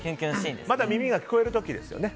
まだ耳が聞こえる時ですよね。